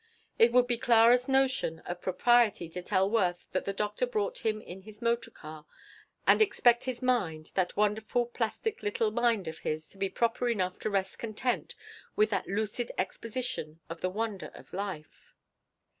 It would be Clara's notion of propriety to tell Worth that the doctor brought him in his motor car and expect his mind, that wonderful, plastic little mind of his, to be proper enough to rest content with that lucid exposition of the wonder of life.